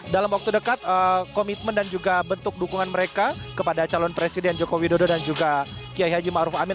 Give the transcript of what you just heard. dalam waktu dekat komitmen dan juga bentuk dukungan mereka kepada calon presiden jokowi dodo dan juga kia haji ma'ruf amin